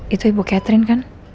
itu ibu catherine kan